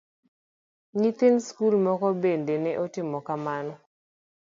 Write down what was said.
Nyithind skul moko bende ne timo kamano.